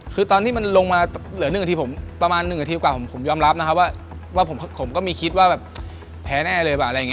คือตอนที่ลงมาเหลือ๑นาทีปะกร่าวผมยอมรับว่าผมก็มีคิดว่าแท้แน่เลย